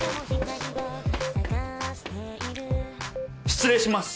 失礼します。